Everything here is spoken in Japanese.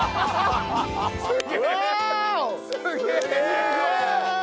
すげえ！